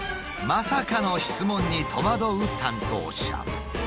まさかの質問に戸惑う担当者。